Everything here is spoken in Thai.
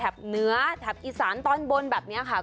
เหนือแถบอีสานตอนบนแบบนี้ค่ะ